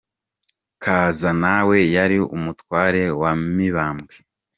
Kaza na we yari umutware wa Mibambwe.